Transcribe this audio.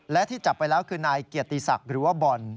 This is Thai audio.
และที่จับไปแล้วคือนายเกียรติศักดิ์หรือว่าบอล